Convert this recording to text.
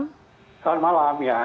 selamat malam ya